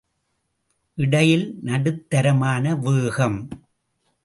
இடையில் நடுத்தரமான வேகம்.